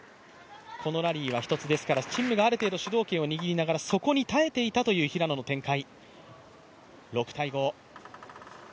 このラリーは陳夢が主導権を握りながらそこに耐えていたという平野の展開。